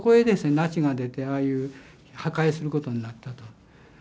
ナチが出てああいう破壊することになったと。